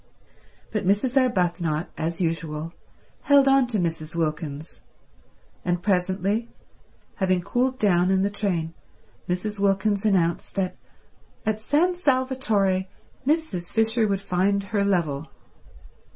But Mrs. Arbuthnot, as usual, held on to Mrs. Wilkins; and presently, having cooled down in the train, Mrs. Wilkins announced that at San Salvatore Mrs. Fisher would find her level.